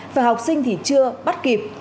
và học sinh thì chưa bắt kịp